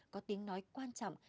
có tiếng nói quan trọng